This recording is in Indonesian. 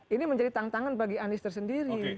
ini menjadi tantangan bagi anies tersendiri